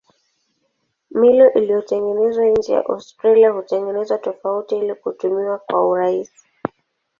Milo iliyotengenezwa nje ya Australia hutengenezwa tofauti ili kutumika kwa urahisi.